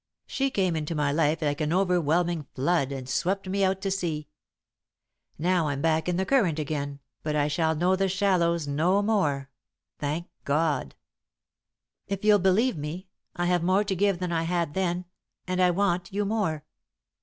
She came into my life like an overwhelming flood, and swept me out to sea. Now I'm back in the current again, but I shall know the shallows no more thank God! "If you'll believe me, I have more to give than I had then and I want you more.